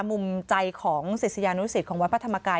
มุมใจของศิษยานุสิตของวัดพระธรรมกาย